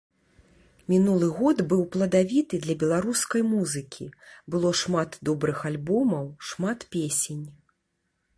Мінулы год быў пладавіты для беларускай музыкі, было шмат добрых альбомаў, шмат песень.